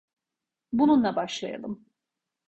Bununla başlayalım.